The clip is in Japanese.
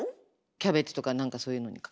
キャベツとか何かそういうのにかけたりする。